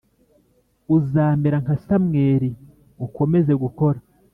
uzamera nka Samweli ukomeze gukora